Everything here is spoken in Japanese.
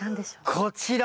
こちら。